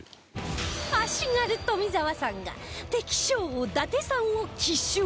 足軽富澤さんが敵将伊達さんを奇襲